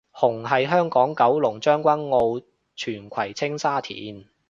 紅係香港九龍將軍澳荃葵青沙田